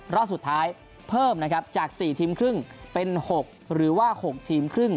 รอบสุดท้ายเพิ่มนะครับจาก๔ทีมครึ่งเป็น๖หรือว่า๖ทีมครึ่ง